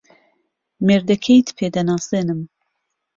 مێردەکەیت پێ دەناسێنم.